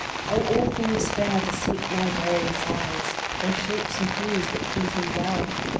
"O all things fair to sate my various eyes! O shapes and hues that please me well!